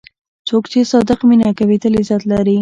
څوک چې صادق مینه کوي، تل عزت لري.